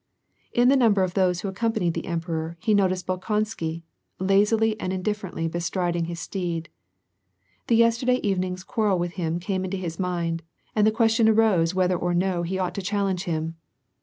In the number of those who accompanied the emperor, he noticed Bolkonsky, lazily and indifferently bestriding his steed. The yesterday evening's quarrel with him came into his mind, and the question arose whether or no he ought to challenge him.